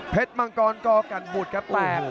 เพชรมังกรก่อกันบุตรครับ